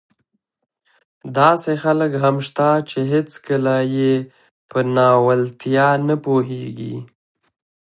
داسې خلک هم شته چې هېڅکله يې په ناولتیا نه پوهېږي.